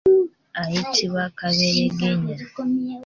Ayitibwa kaberegenya.